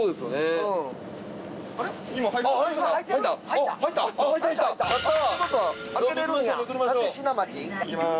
いきます。